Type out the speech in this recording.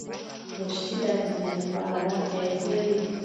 دښتې د امنیت په اړه اغېز لري.